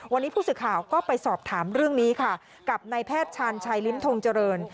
วันนี้ผู้สื่อข่าวก็ไปสอบถามเรื่องนี้ค่ะกับนายแพทย์ชาญชัยลิ้มทงเจริญ